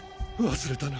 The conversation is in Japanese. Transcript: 忘れたな。